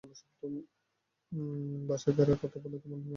বাসায় ফেরার পথে তিনি একটা রোমান্টিক মুভি রেন্ট করে নিয়ে গেলেন।